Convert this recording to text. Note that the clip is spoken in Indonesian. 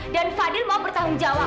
dan fadil mau bertanggung jawab